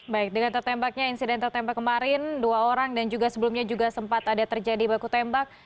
baik dengan tertembaknya insiden tertembak kemarin dua orang dan juga sebelumnya juga sempat ada terjadi baku tembak